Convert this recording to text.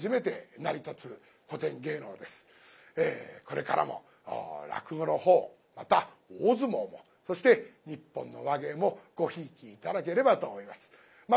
これからも落語のほうまた大相撲もそして「日本の話芸」もごひいき頂ければと思います。